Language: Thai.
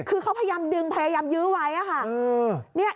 คือเขาพยายามดึงพยายามยื้อไว้ค่ะ